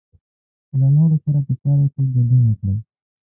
له نورو سره په چارو کې ګډون وکړئ.